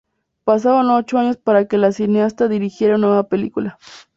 Pasaron ocho años para que la cineasta dirigiera una nueva película.